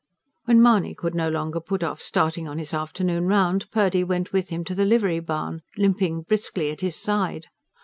When Mahony could no longer put off starting on his afternoon round, Purdy went with him to the livery barn, limping briskly at his side.